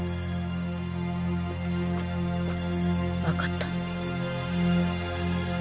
わかった。